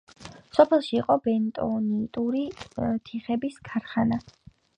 სოფელში იყო ბენტონიტური თიხების ქარხანა.